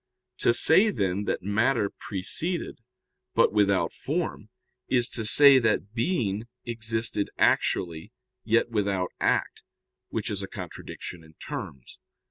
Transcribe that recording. To say, then, that matter preceded, but without form, is to say that being existed actually, yet without act, which is a contradiction in terms.